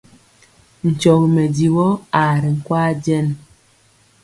Nkyɔgi mɛdivɔ aa ri nkwaaŋ jɛn.